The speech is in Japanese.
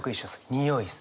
においです。